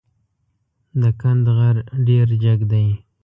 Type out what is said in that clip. د کند غر ډېر جګ دی.